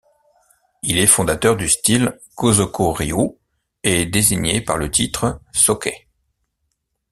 Il est fondateur du style Gosoku Ryu, et désigné par le titre Soke.